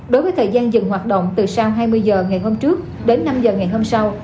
đối với thời gian dừng hoạt động từ sau hai mươi h ngày hôm trước đến năm h ngày hôm sau